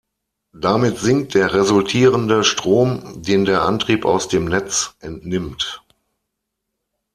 Damit sinkt der resultierende Strom, den der Antrieb aus dem Netz entnimmt.